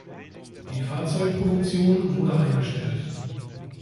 Die Fahrzeugproduktion wurde eingestellt.